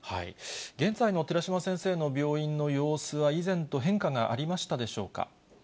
現在の寺嶋先生の病院の様子は、以前と変化がありましたでしょうか。